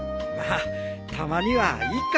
あたまにはいいか。